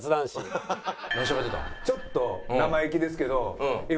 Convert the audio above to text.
ちょっと生意気ですけど。